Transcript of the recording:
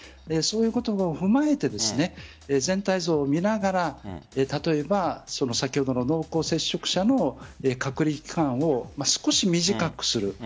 そういうことも踏まえて全体像を見ながら例えば先ほどの濃厚接触者の隔離期間を少し短くする。